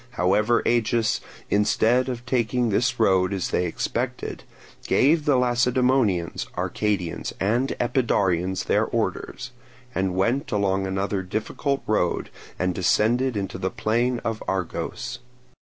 However, Agis, instead of taking this road as they expected, gave the Lacedaemonians, Arcadians, and Epidaurians their orders, and went along another difficult road, and descended into the plain of Argos.